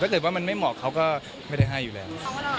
ถ้าเกิดว่ามันไม่เหมาะเขาก็ไม่ได้ให้อยู่แล้ว